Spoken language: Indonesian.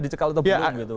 dicekal atau belum gitu